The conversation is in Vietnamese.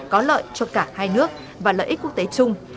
có lợi cho cả hai nước và lợi ích quốc tế chung